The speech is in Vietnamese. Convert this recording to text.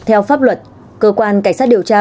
theo pháp luật cơ quan cảnh sát điều tra